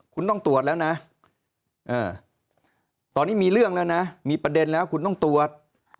คุณต้องตรวจแล้วนะตอนนี้มีเรื่องแล้วนะมีประเด็นแล้วคุณต้องตรวจ